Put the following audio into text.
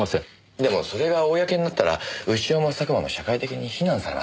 でもそれが公になったら潮も佐久間も社会的に非難されます。